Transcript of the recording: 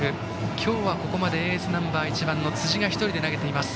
今日はここまでエースナンバー１番の辻が１人で投げています。